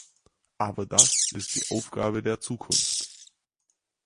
Aber das ist die Aufgabe der Zukunft.